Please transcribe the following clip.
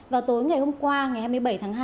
vào tối ngày hôm qua ngày hai mươi bảy tháng hai